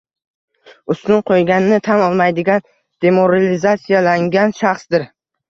- ustun qo‘yganini tan olmaydigan demoralizatsiyalangan shaxsdir: